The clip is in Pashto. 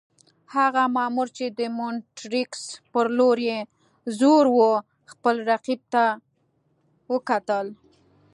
هغه مامور چې د مونټریکس پر لور یې زور وو، خپل رقیب ته وکتل.